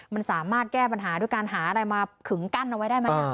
มันสามารถแก้ปัญหาด้วยการหาอะไรมาขึงกั้นเอาไว้ได้ไหม